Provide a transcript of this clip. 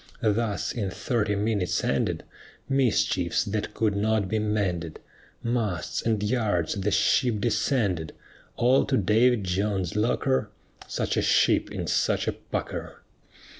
Thus, in thirty minutes ended, Mischiefs that could not be mended; Masts, and yards, and ship descended, All to David Jones's locker Such a ship in such a pucker!